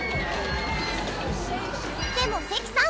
でも関さん！